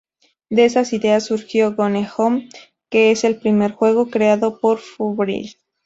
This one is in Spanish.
De esas ideas surgió "Gone Home", que es el primer juego creado por Fullbright.